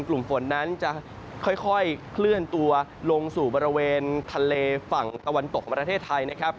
กลุ่มฝนนั้นจะค่อยเคลื่อนตัวลงสู่บริเวณทะเลฝั่งตะวันตกของประเทศไทยนะครับ